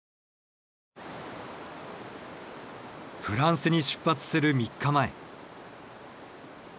フランスに出発する３日前。